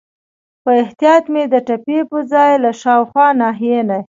په احتیاط مې د ټپي ځای له شاوخوا ناحیې نه.